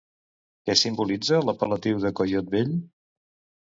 Què simbolitza l'apel·latiu de coiot vell?